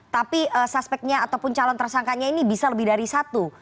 tapi suspeknya ataupun calon tersangkanya ini bisa lebih dari satu